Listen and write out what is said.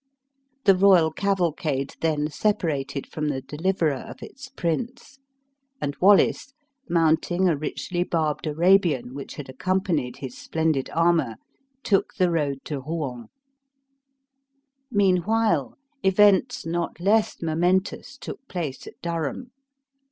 The royal cavalcade then separated from the deliverer of its prince; and Wallace, mounting a richly barbed Arabian, which had accompanied his splendid armor, took the road to Rouen. Meanwhile, events not less momentous took place at Durham.